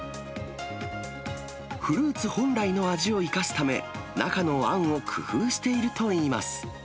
フルーツ本来の味を生かすため、中のあんを工夫しているといいます。